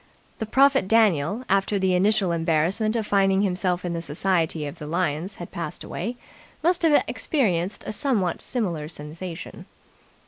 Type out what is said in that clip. The prophet Daniel, after the initial embarrassment of finding himself in the society of the lions had passed away, must have experienced a somewhat similar sensation.